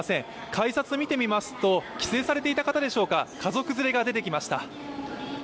改札見てみますと帰省されていた方でしょうか家族連れが出てきました。